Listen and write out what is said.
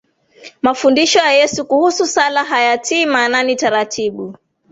Mafundisho ya Yesu kuhusu sala hayatii maanani taratibu